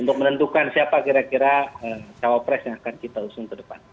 untuk menentukan siapa kira kira cawapres yang akan kita usung ke depan